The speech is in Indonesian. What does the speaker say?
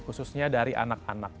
khususnya dari anak anak